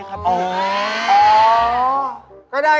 ก็ได้